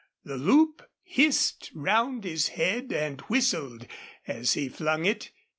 The loop hissed round his head and whistled as he flung it.